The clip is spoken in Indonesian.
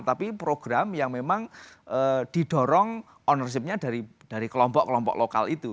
tapi program yang memang didorong ownership nya dari kelompok kelompok lokal itu